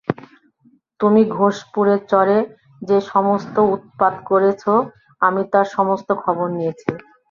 তুমি ঘোষপুরের চরে যে-সমস্ত উৎপাত করেছ আমি তার সমস্ত খবর নিয়েছি।